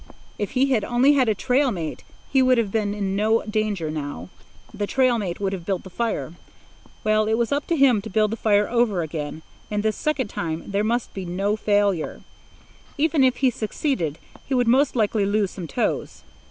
If he had only had a trail mate he would have been in no danger now. The trail mate could have built the fire. Well, it was up to him to build the fire over again, and this second time there must be no failure. Even if he succeeded, he would most likely lose some toes.